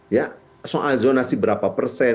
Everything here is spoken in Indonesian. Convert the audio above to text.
ya soal zonasi berapa persen